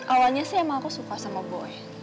awalnya sih emang aku suka sama gue